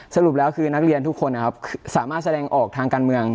สรุปแล้วคือนักเรียนทุกคนนะครับสามารถแสดงออกทางการเมือง